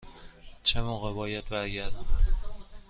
چه موقع باید برگردم؟